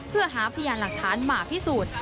เพื่อหาพยานหลักฐานมาพิสูจน์